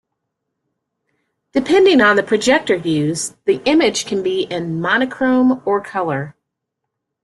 Depending on the projector used, the image can be in monochrome or color.